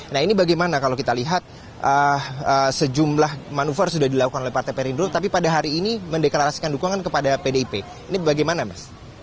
nah ini bagaimana kalau kita lihat sejumlah manuver sudah dilakukan oleh partai perindro tapi pada hari ini mendeklarasikan dukungan kepada pdip ini bagaimana mas